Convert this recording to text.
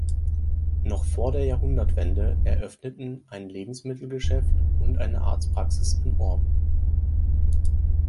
Noch vor der Jahrhundertwende eröffneten ein Lebensmittelgeschäft und eine Arztpraxis im Ort.